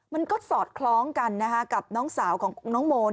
มันก็สอดคล้องกันกับน้องสาวของน้องโม